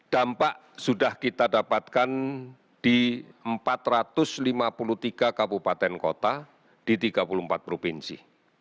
dampak sudah kita dapatkan di empat ratus lima puluh tiga kabupaten kota di tiga puluh empat provinsi